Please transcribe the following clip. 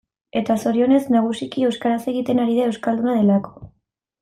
Eta zorionez, nagusiki euskaraz egiten ari da, euskalduna delako.